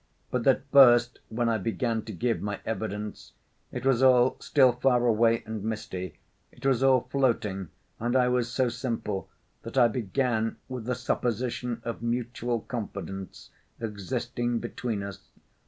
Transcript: But at first when I began to give my evidence, it was all still far away and misty; it was all floating, and I was so simple that I began with the supposition of mutual confidence existing between us.